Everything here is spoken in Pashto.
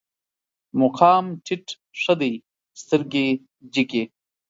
مقام ټيټ ښه دی، سترګې جګې